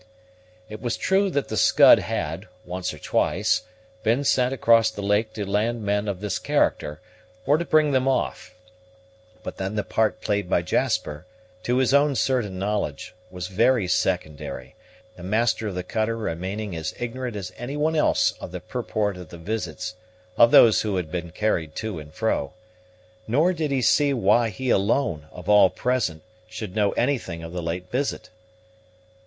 It was true that the Scud had, once or twice, been sent across the lake to land men of this character, or to bring them off; but then the part played by Jasper, to his own certain knowledge, was very secondary, the master of the cutter remaining as ignorant as any one else of the purport of the visits of those whom he had carried to and fro; nor did he see why he alone, of all present, should know anything of the late visit.